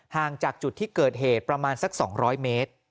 ห่างจากจุดที่เกิดเหตุประมาณสัก๒๐๐เมตร